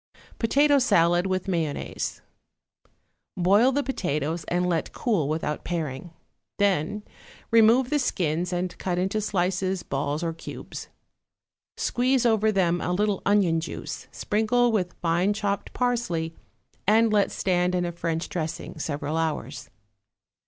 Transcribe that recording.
=Potato Salad with Mayonnaise.= Boil the potatoes and let cool without paring. Then remove the skins and cut into slices, balls, or cubes. Squeeze over them a little onion juice, sprinkle with fine chopped parsley, and let stand in a French dressing several hours.